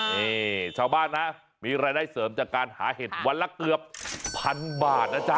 นี่ชาวบ้านนะมีรายได้เสริมจากการหาเห็ดวันละเกือบพันบาทนะจ๊ะ